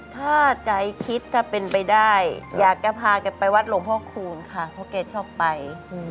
ถ้าใจคิดถ้าเป็นไปได้อยากจะพาแกไปวัดหลวงพ่อคูณค่ะเพราะแกชอบไป